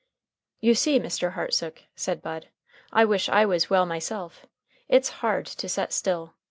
"You see, Mr. Hartsook," said Bud, "I wish I was well myself. It's hard to set still.